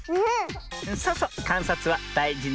そうそうかんさつはだいじのミズよ。